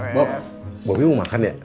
bob bobby mau makan ya